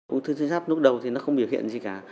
ung thư tuyến sáp lúc đầu thì nó không biểu hiện gì cả